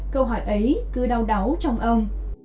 câu hỏi ấy cứ đau đáu trong ông